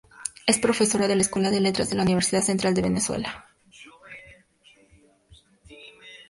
Es profesora de la Escuela de Letras de la Universidad Central de Venezuela.